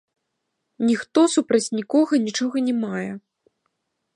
Ніхто супраць нікога нічога не мае.